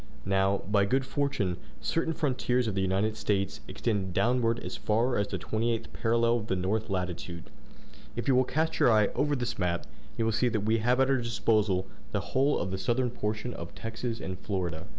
Now, by good fortune, certain frontiers of the United States extend downward as far as the 28th parallel of the north latitude. If you will cast your eye over this map, you will see that we have at our disposal the whole of the southern portion of Texas and Florida."